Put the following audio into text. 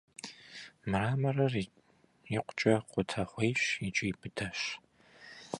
Мраморыр икъукӀэ къутэгъуейщ икӀи быдэщ.